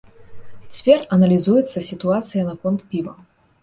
Цяпер аналізуецца сітуацыя наконт піва.